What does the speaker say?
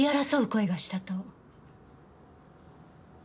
声がしたと。